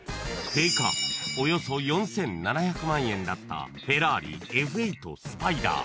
［定価およそ４，７００万円だったフェラーリＦ８スパイダー］